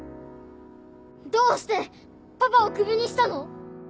どうしてパパをクビにしたの？